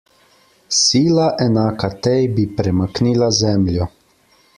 Sila, enaka tej, bi premaknila Zemljo.